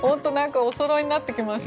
おそろいになってきました。